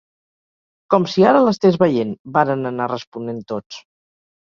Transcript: Com si ara l'estès veient…- varen anar responent tots.